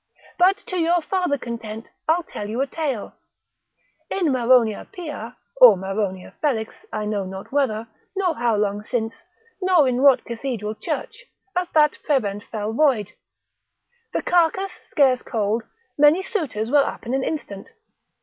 But to your farther content, I'll tell you a tale. In Maronia pia, or Maronia felix, I know not whether, nor how long since, nor in what cathedral church, a fat prebend fell void. The carcass scarce cold, many suitors were up in an instant.